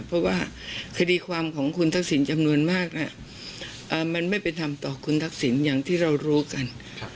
เพราะว่าคดีความของคุณทักษิณจำนวนมากมันไม่เป็นธรรมต่อคุณทักษิณอย่างที่เรารู้กัน